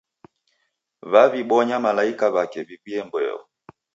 W'aw'ibonya malaika w'ake w'iw'uye mbeo.